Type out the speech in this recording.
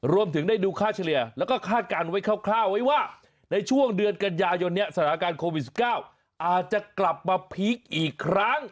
รวมถึงได้ดูค่าเฉลี่ยแล้วก็คาดการณ์ไว้คร่าวไว้ว่าในช่วงเดือนกันยายนนี้สถานการณ์โควิด๑๙อาจจะกลับมาพีคอีกครั้ง